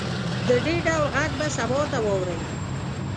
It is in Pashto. د دې ډول غږ به سبا ته واورئ